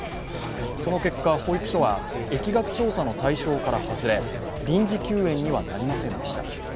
その結果、保育所は疫学調査の対象から外れ、臨時休園にはなりませんでした。